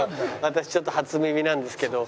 私ちょっと初耳なんですけど。